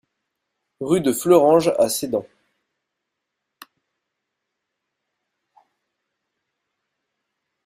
Rue de Fleuranges à Sedan